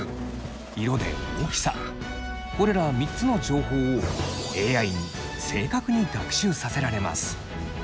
これら３つの情報をＡＩに正確に学習させられます。